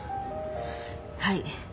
はい。